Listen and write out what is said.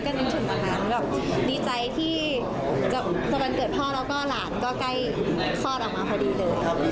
นึกถึงวันนั้นแบบดีใจที่จะวันเกิดพ่อแล้วก็หลานก็ใกล้คลอดออกมาพอดีเลย